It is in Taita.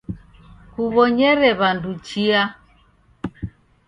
Kuw'onyere w'andu chia.